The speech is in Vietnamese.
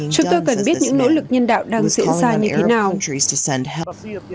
chúng tôi cần biết những nỗ lực nhân đạo đang diễn ra như thế nào